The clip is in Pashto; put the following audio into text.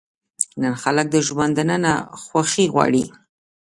نن خلک د ژوند دننه خوښي غواړي.